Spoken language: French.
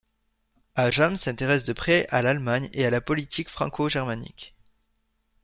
Ajam s'intéresse de près à l'Allemagne et à la politique franco-germanique.